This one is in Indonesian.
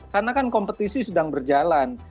karena kan kompetisi sedang berjalan